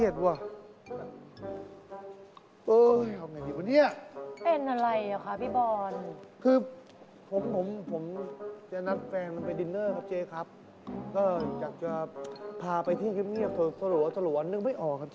ท่านแกเปิดตัวแย่ไปเล่นไป